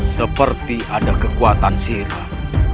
seperti ada kekuatan siram